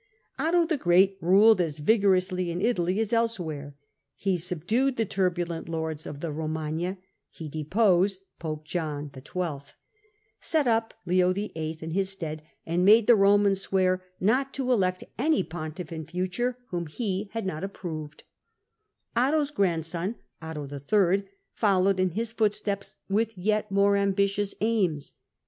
Otto the Great ruled as vigorously in Italy as elsewhere. He subdued the turbulent lords of the Romagna, he deposed pope John XII., set up Leo VIII. in his stead, and made the Romans swear not to elect Digitized by VjOOQIC Introductory 13 any pontiflf in fiiture whom lie had not approved. Otto's grandson, Otto III., followed in his footsteps with yet more ambitions aims.